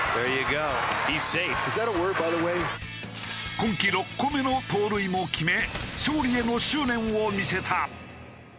今季６個目の盗塁も決め勝利への執念を見せた。